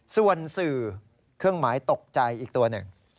ส่วนสื่อเครื่องหมายตกใจอีกตัวหนึ่ง